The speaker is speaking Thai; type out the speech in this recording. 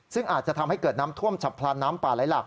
ซึ่งอาจจะทำให้เกิดน้ำท่วมฉับพลันน้ำป่าไหลหลัก